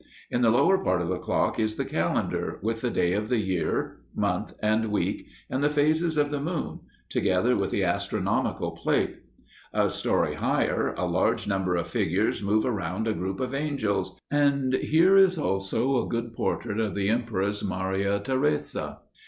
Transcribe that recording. In the lower part of the clock is the calendar, with the day of the year, month, and week, and the phases of the moon, together with the astronomical plate; a story higher, a large number of figures move around a group of angels, and here is also a good portrait of the Empress Maria Theresa.